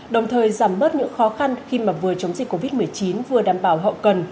đồng thời giảm bớt những khó khăn khi mà vừa chống dịch covid một mươi chín vừa đảm bảo hậu cần